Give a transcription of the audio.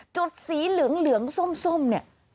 จุดสีเหลืองส้มเนี่ย